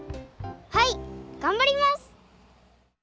はいがんばります！